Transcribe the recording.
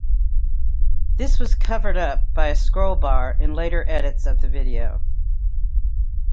This was covered up by a scroll bar in later edits of the video.